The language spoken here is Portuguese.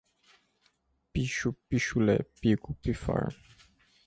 picho, pichulé, pico, pifar, pijama, pila, pimentão, pinóia, lôgro